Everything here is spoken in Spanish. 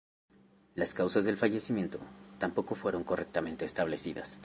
Las causas del fallecimiento tampoco fueron correctamente establecidas.